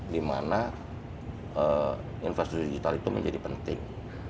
dimana industri digital itu menjadi penting